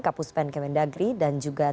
kapus pen kemendagri dan juga